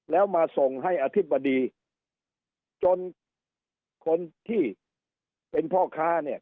แล้วมาส่งให้อธิบดีจนคนที่เป็นพ่อค้าเนี่ย